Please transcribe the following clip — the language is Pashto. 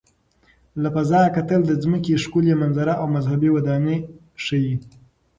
له فضا کتل د ځمکې ښکلي منظره او مذهبي ودانۍ ښيي.